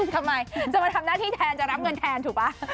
ทำไมจะมาทำหน้าที่แทนจะรับเงินแทนถูกป่ะ